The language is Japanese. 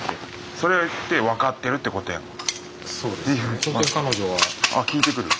それって分かってるってことやん。